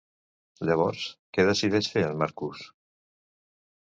Llavors, què decideix fer en Marcus?